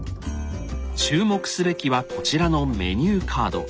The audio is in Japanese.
注目すべきはこちらのメニューカード。